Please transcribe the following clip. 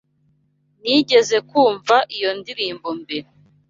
Nigeze kumva iyo ndirimbo mbere.